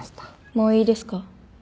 もういいですか？